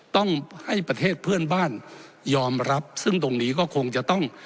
ต้องให้ประเทศเพื่อนบ้านยอมรับซึ่งตรงนี้ก็คงจะต้อง